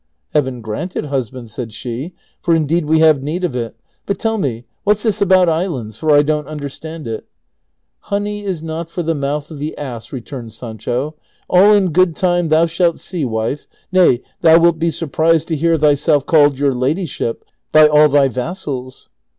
" Heaven grant it, husband," said she, " for indeed we have need of it. But tell me, what 's this about islands, for I don 't understand it ?"" Honey is not for the mouth of the ass," ^ returned Sancho ;" all in good time thou shalt see, wife — nay, thou wilt be surprised to hear thyself called 'your ladyship,' by all thy vassals."